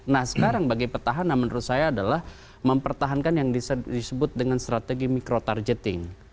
nah sekarang bagi petahana menurut saya adalah mempertahankan yang disebut dengan strategi micro targeting